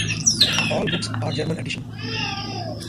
All books are German editions.